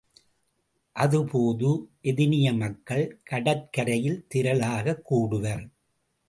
அது போது எதினிய மக்கள் கடற்கரையில் திரளாகக் கூடுவர்.